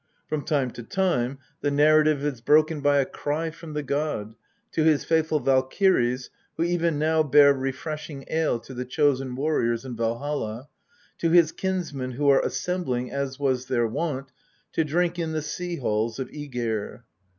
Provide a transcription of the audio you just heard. From time to time the narrative is broken by a cry from the god to his faithful Valkyries, who even now bear refreshing ale to the Chosen warriors in Valholl to his kinsmen who are assembling, as was their wont, to drink in the sea halls of Mgir.